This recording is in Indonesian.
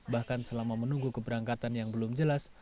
bahkan selama menunggu keberangkatan yang belum jelas